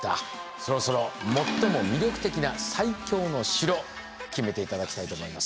そろそろ最も魅力的な最強の城決めて頂きたいと思います。